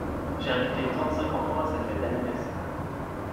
J’ai invité trente-cinq enfants à sa fête d’anniversaire.